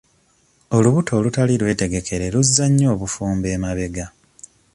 Olubuto olutali lwetegekere luzza nnyo abafumbo emabega.